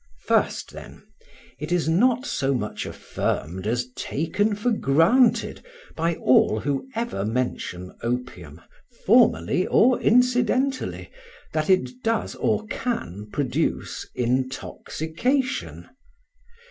First, then, it is not so much affirmed as taken for granted, by all who ever mention opium, formally or incidentally, that it does or can produce intoxication.